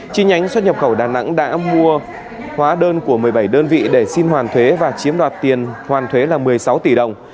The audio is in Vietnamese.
chi nhánh xuất nhập khẩu đà nẵng đã mua hóa đơn của một mươi bảy đơn vị để xin hoàn thuế và chiếm đoạt tiền hoàn thuế là một mươi sáu tỷ đồng